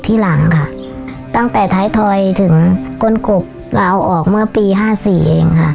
ที่หลังค่ะตั้งแต่ท้ายทอยถึงก้นกบลาวออกเมื่อปีห้าสี่เองค่ะ